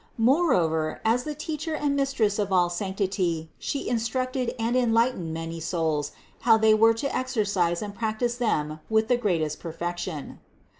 Moreover as the Teacher and Mis tress of all sanctity She instructed and enlightened many souls how they were to exercise and practice them with the greatest perfection.